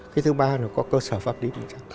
cái thứ ba là có cơ sở pháp lý